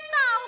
tau mah level